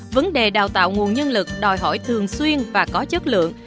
vấn đề đào tạo nguồn nhân lực đòi hỏi thường xuyên và có chất lượng